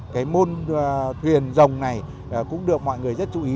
cái môn thuyền rồng này cũng được mọi người rất chú ý